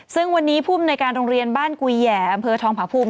ซึ่งวันนี้ผู้อำนวยการโรงเรียนบ้านกุยแหย่อำเภอทองผาภูมิ